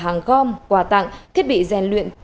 hàng gom quà tặng thiết bị rèn luyện